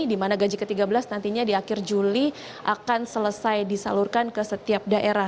di mana gaji ke tiga belas nantinya di akhir juli akan selesai disalurkan ke setiap daerah